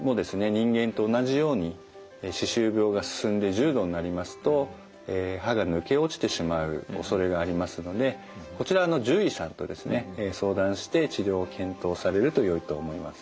人間と同じように歯周病が進んで重度になりますと歯が抜け落ちてしまうおそれがありますのでこちらはあの獣医さんとですね相談して治療を検討されるとよいと思います。